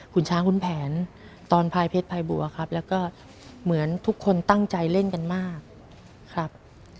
คุณช้างคุณแผนตอนพายเพชรพายบัวครับแล้วก็เหมือนทุกคนตั้งใจเล่นกันมากครับ